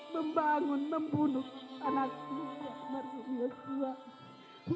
membangun membunuh anak anak maria yesua